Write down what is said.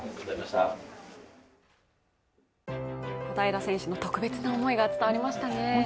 小平選手の特別な思いが伝わりましたね。